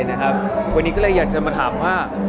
วันนี้ก็เลยอยากจะมาถามว่า